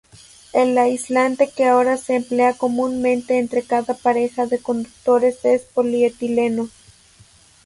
El aislante que ahora se emplea comúnmente entre cada pareja de conductores es polietileno.